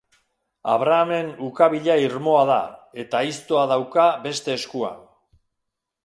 Abrahamen ukabila irmoa da, eta aiztoa dauka beste eskuan.